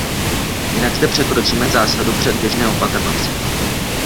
Jinak zde překročíme zásadu předběžné opatrnosti.